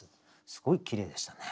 すごいきれいでしたね。